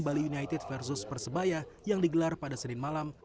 bali united versus persebaya yang digelar pada senin malam